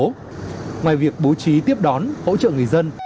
ngoài việc bố trí tiếp đón hỗ trợ người dân